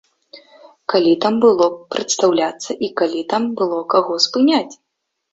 Калі там было прадстаўляцца і калі там было каго спыняць?